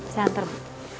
saya antar bu